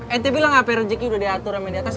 ente bilang hp rezeki udah diaturin diatas